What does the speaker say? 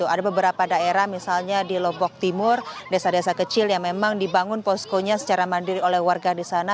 ada beberapa daerah misalnya di lombok timur desa desa kecil yang memang dibangun poskonya secara mandiri oleh warga di sana